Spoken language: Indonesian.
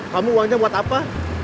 kamu uangnya buat apa